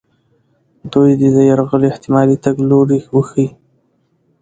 دوی دې د یرغل احتمالي تګ لوري وښیي.